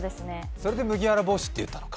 それで麦わら帽子って言ったのか。